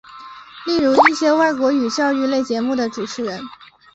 例如一些外国语教育类节目的主持人。